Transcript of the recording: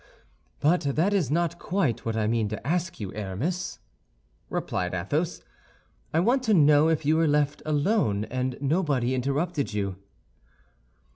"But that is not quite what I mean to ask you, Aramis," replied Athos. "I want to know if you were left alone, and nobody interrupted you."